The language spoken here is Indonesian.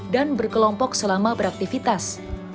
dan berkelompok selama beraktivitas